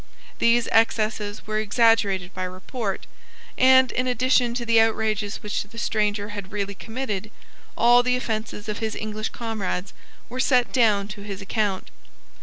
These excesses were exaggerated by report; and, in addition to the outrages which the stranger had really committed, all the offences of his English comrades were set down to his account.